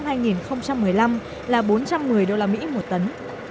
tháng năm là bốn trăm một mươi usd một tấn